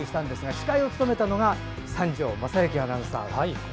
司会を務めたのが三條雅幸アナウンサー。